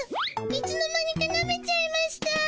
いつの間にかなめちゃいました。